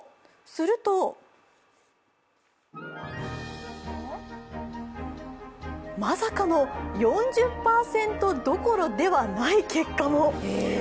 するとまさかの４０％どころではない結果も。